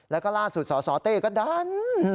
แล้วก็ล่าสุดสสเต้ก็ดัน